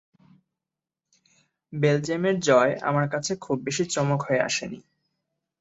বেলজিয়ামের জয় আমার কাছে খুব বেশি চমক হয়ে আসেনি।